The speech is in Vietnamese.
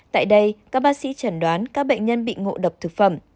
tại đây các bác sĩ chẩn đoán các bệnh nhân bị ngộ độc thực phẩm